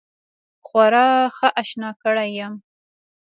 خورا ښه آشنا کړی یم.